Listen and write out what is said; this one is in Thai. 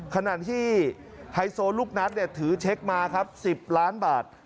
ขณะที่ไฮโซลูกนัดถือเช็คมาครับ๑๐ล้านบาท